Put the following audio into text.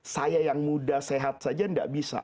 saya yang muda sehat saja tidak bisa